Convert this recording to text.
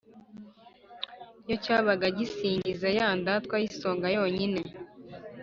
iyo cyabaga gisingiza ya ndatwa y’isonga yonyine